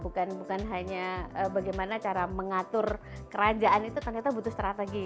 bukan hanya bagaimana cara mengatur kerajaan itu ternyata butuh strategi